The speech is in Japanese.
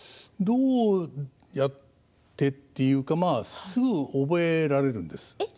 どうやってというかすぐ覚えられるんです。